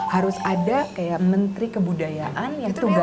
harus ada kayak menteri kebudayaan yang tugasnya